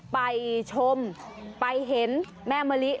ไปชมไปเห็นแม่มะลิ